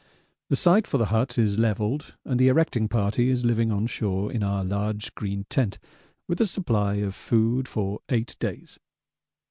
The site for the hut is levelled and the erecting party is living on shore in our large green tent with a supply of food for eight days.